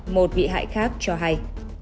một vị hại khác cho hay